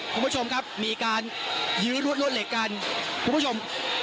คุณผู้ชมครับมีการยื้อรวดรวดเหล็กกันคุณผู้ชม